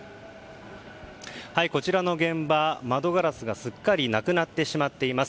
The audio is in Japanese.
こちらの現場、窓ガラスがすっかりとなくなってしまっています。